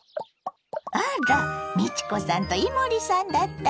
あら美智子さんと伊守さんだったの？